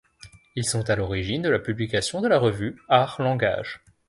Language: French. Ils sont à l’origine de la publication de la revue Art-Language.